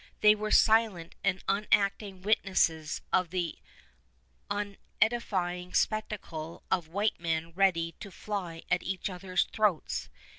They were silent and unacting witnesses of the unedifying spectacle of white men ready to fly at each other's throats.